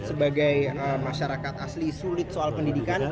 sebagai masyarakat asli sulit soal pendidikan